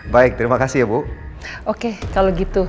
baik terima kasih ya bu oke kalau gitu